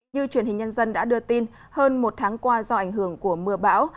như truyền hình nhân dân đã đưa tin hơn một tháng qua do ảnh hưởng của mưa bão